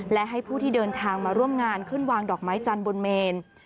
และให้ผู้ที่เดินทางมาร่วมงานขึ้นวางดอกไม้จันทร์บนเมน